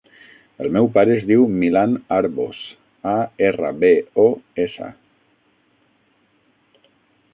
El meu pare es diu Milan Arbos: a, erra, be, o, essa.